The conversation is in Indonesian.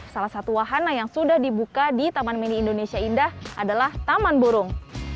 salah satu wahana yang sudah dibuka di taman mini indonesia indah adalah taman burung